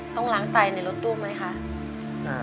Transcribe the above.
ต้องล้างไตในรถตู้ไหมคะ